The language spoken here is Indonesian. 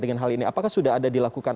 dengan hal ini apakah sudah ada dilakukan